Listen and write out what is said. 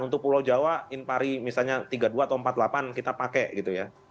untuk pulau jawa in pari misalnya tiga puluh dua atau empat puluh delapan kita pakai gitu ya